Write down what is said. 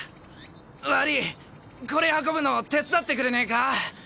悪ィこれ運ぶの手伝ってくれねぇか？